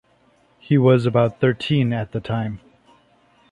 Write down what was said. He was about thirteen at the time.